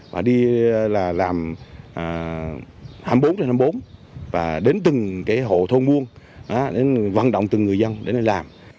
và đi làm hai mươi bốn năm mươi bốn và đến từng hộ thôn muôn vận động từng người dân đến đây làm